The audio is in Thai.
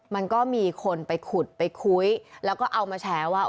มันก็มีคนไปขุดไปคุยแล้วก็เอามาแชร์ว่า